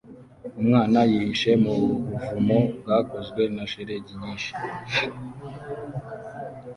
Umwana yihishe mu buvumo bwakozwe na shelegi nyinshi